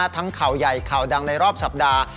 ข่าวใหญ่ข่าวดังในรอบสัปดาห์